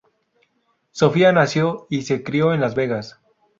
Sophia nació y se crio en Las Vegas.